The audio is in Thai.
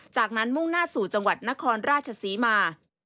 จากนั้นมุ่งหน้าสู่จังหวัดนครราชศรีมา